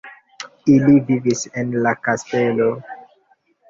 Ili vivis en la kastelo.